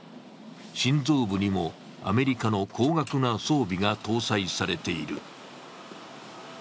心臓部にも、アメリカの高額な装備が搭載されている。